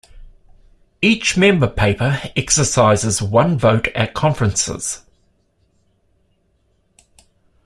Each member paper exercises one vote at conferences.